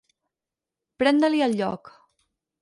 Prendre-li el lloc.